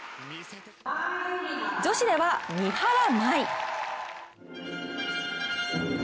女子では、三原舞依。